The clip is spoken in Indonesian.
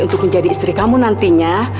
untuk menjadi istri kamu nantinya